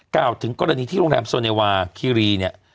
กล่าวถึงกรณีที่โรงแรมโซเนวาคีรีเนี่ย